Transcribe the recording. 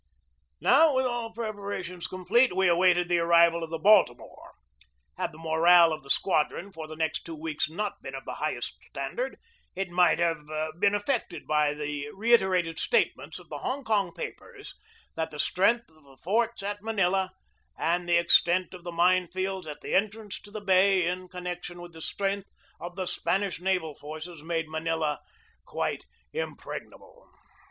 Now, with all preparations complete, we awaited the arrival of the Baltimore. Had the morale of the squadron for the next two weeks not been of the highest standard, it might have been affected by the reiterated statements of the Hong Kong papers that the strength of the forts at Manila and the extent of the mine fields at the entrance to the bay in con nection with the strength of the Spanish naval forces made Manila quite impregnable.